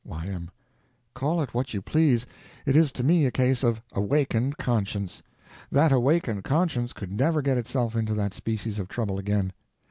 Y.M. Call it what you please, it is to me a case of awakened conscience. That awakened conscience could never get itself into that species of trouble again.